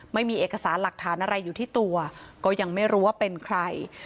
ไม่มีเอกสารหลักฐานอะไรอยู่ที่ตัวก็ยังไม่รู้ว่าเป็นใคร